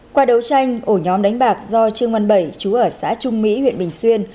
qua đấu tranh ổ nhóm đánh bạc do trương văn bảy chú ở xã trung mỹ huyện bình xuyên